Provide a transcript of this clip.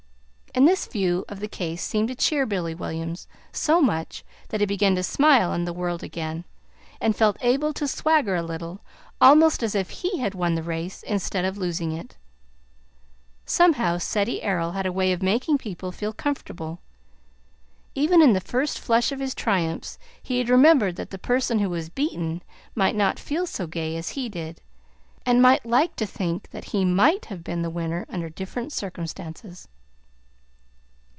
And this view of the case seemed to cheer Billy Williams so much that he began to smile on the world again, and felt able to swagger a little, almost as if he had won the race instead of losing it. Somehow, Ceddie Errol had a way of making people feel comfortable. Even in the first flush of his triumphs, he remembered that the person who was beaten might not feel so gay as he did, and might like to think that he MIGHT have been the winner under different circumstances.